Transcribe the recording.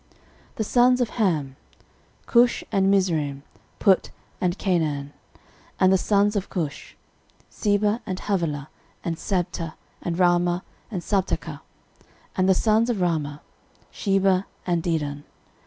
13:001:008 The sons of Ham; Cush, and Mizraim, Put, and Canaan. 13:001:009 And the sons of Cush; Seba, and Havilah, and Sabta, and Raamah, and Sabtecha. And the sons of Raamah; Sheba, and Dedan.